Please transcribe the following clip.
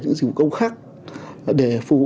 những dịch vụ công khác để phục vụ